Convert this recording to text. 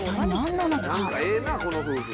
「なんかええなこの夫婦」